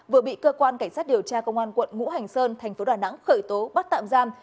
vừa bị cơ quan cảnh sát điều tra công an quận ngũ hành sơn thành phố đà nẵng khởi tố bắt tạm giam